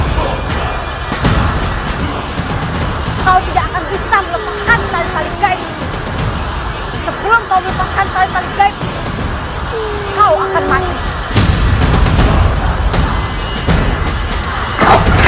kau tidak akan bisa melupakan saya paling baik